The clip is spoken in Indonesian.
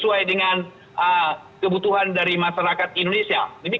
sesuai dengan kebutuhan dari masyarakat indonesia